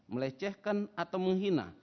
melecehkan atau menghina